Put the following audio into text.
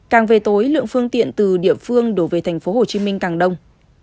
càng về tối lượng phương tiện từ địa phương đổ về tp hcm càng đông